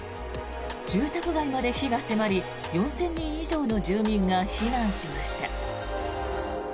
住宅街まで火が迫り４０００人以上の住民が避難しました。